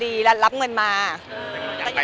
เนื้อหาดีกว่าน่ะเนื้อหาดีกว่าน่ะ